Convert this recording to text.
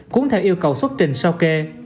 cuốn theo yêu cầu xuất trình sao kê